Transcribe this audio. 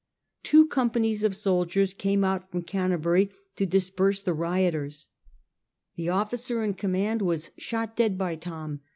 Two com panies of soldiers came out from Canterbury to disperse the rioters. Tbe officer in command was shot dead by Thom.